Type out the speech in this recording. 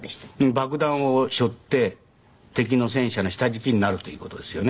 爆弾を背負って敵の戦車の下敷きになるという事ですよね。